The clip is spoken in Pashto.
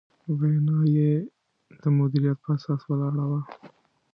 وینا یې د مدیریت په اساس ولاړه وه.